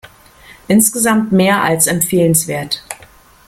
Insgesamt mehr als empfehlenswert.